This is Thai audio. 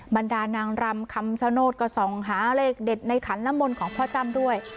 บรรดานางรำคำชโนธก็ส่องหาเลขเด็ดในขันน้ำมนต์ของพ่อจ้ำด้วย